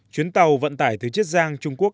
chuyến tàu vận tải từ chiết giang trung quốc